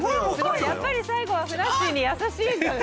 やっぱり最後はふなっしーに優しいんだね。